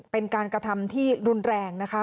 เป็นการกระทำที่รุนแรงนะคะ